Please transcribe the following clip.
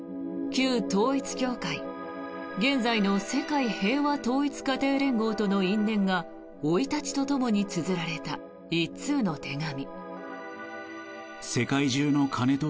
旧統一教会、現在の世界平和統一家庭連合との因縁が生い立ちとともにつづられた１通の手紙。